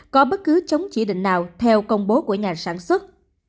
có bất cứ chống chỉ định nào theo công bố của nhà sản xuất